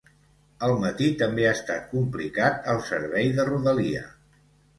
El matí també ha estat complicat al servei de rodalia.